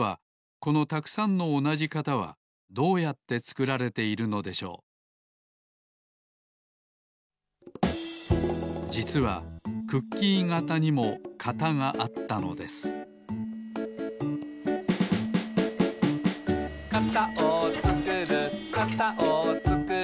このたくさんのおなじ型はどうやってつくられているのでしょうじつはクッキー型にも型があったのですはい